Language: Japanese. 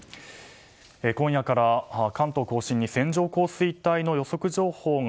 今夜から、関東・甲信に線状降水帯の予測情報が